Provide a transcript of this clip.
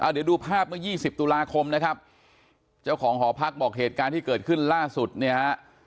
เดี๋ยวดูภาพเมื่อ๒๐ตุลาคมนะครับเจ้าของหอพักบอกเหตุการณ์ที่เกิดขึ้นล่าสุดเนี่ยฮะ